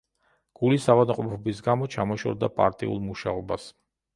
გულის ავადმყოფობის გამო ჩამოშორდა პარტიულ მუშაობას.